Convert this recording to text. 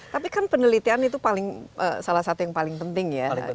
tapi kan penelitian itu paling salah satu yang paling penting ya